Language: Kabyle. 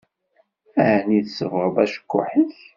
Aɛni tsebɣeḍ acekkuḥ-ik?